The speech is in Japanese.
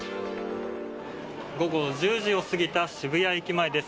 午後１０時を過ぎた渋谷駅前です。